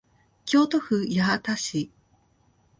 京都府八幡市